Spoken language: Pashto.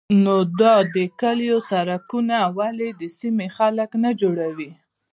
_نو دا د کليو سړکونه ولې د سيمې خلک نه جوړوي؟